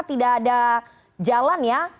tidak ada jalan ya